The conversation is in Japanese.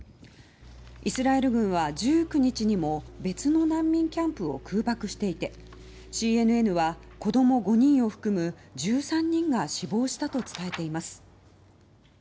イスラエル軍は１９日にも別の難民キャンプを空爆していてＣＮＮは子供５人を含む１３人が死亡したと伝えています。